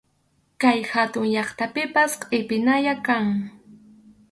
Kay hatun llaqtapipas qʼipinalla kan.